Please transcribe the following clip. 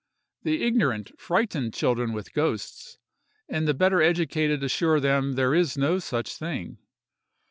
The ignorant frighten children with ghosts, and the better educated assure them there is no such thing.